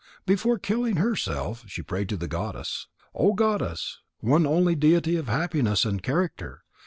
Before killing herself, she prayed to the goddess: "O Goddess! One only deity of happiness and character!